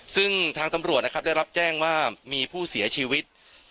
ซึ่งทางตำรวจนะครับได้รับแจ้งว่ามีผู้เสียชีวิต